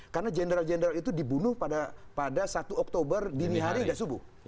karena general general itu dibunuh pada satu oktober dini hari dan subuh